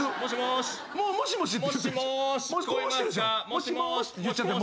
「もしもーし」って言っちゃって。